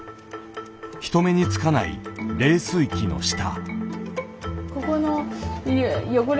人目につかない冷水器の下。